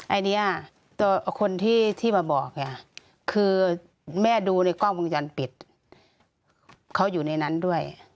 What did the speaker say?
ไอ้เนี่ยคนที่มาบอกเนี่ยคือแม่ดูในกล้องมันจันทร์ปิดเขาอยู่ในนั้นด้วย